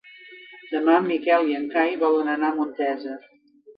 Demà en Miquel i en Cai volen anar a Montesa.